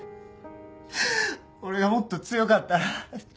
俺がもっと強かったらって。